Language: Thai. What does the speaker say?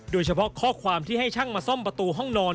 โดยเฉพาะข้อความที่ให้ช่างมาซ่อมประตูห้องนอน